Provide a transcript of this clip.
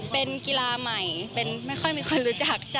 เป็นกีฬาใหม่ไม่ค่อยมีคนรู้จัก